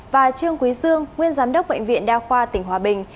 và trương quý dương nguyên giám đốc bệnh viện đa khoa tỉnh hòa bình